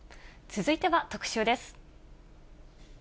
続いては特集です。